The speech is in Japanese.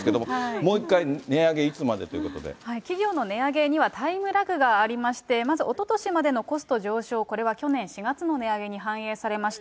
もう一回、値上げいつまでという企業の値上げにはタイムラグがありまして、まずおととしまでのコスト上昇、これは去年４月の値上げに反映されました。